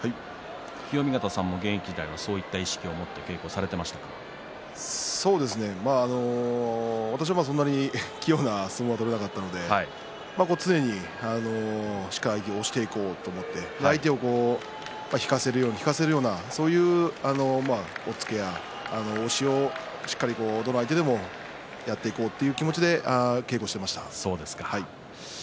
清見潟さんも現役時代は私はそんなに器用な相撲を取れなかったので常にしっかり押していこうと相手を引かせるように引かせるような押しを、しっかり、どんな相手でもやっていこうという気持ちで稽古をしていました。